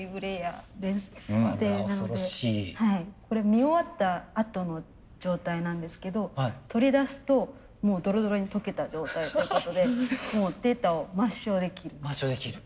見終わったあとの状態なんですけど取り出すともうドロドロに溶けた状態ということでもうデータを抹消できる。